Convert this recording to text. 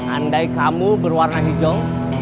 andai kamu berwarna hijau